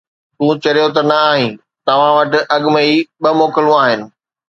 تون چريو ته نه آهين؟ توهان وٽ اڳ ۾ ئي ٻه موڪلون آهن.